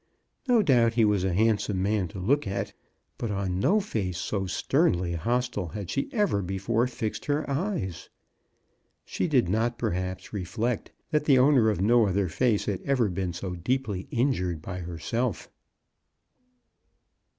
No doubt he was a handsome man to look at, but on no face so sternly hostile had she ever before fixed her eyes. She did not, perhaps, reflect that the owner of no other face had ever been so deeply injured by herself.